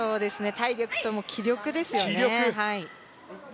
体力と気力ですよね。